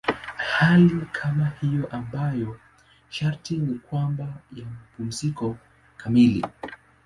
Hali kama hiyo ambayo sharti ni kwamba ya mapumziko kamili.